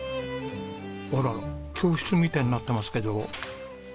あらら教室みたいになってますけど。